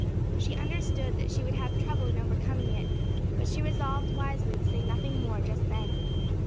She understood that she would have trouble in overcoming it; but she re solved wisely to say nothing more just then.